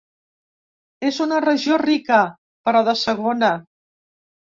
És una regió rica, però de segona.